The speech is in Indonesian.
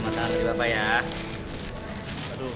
yeay makanan aku udah datang